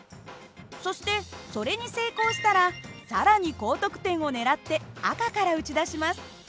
そしてそれに成功したら更に高得点を狙って赤から撃ち出します。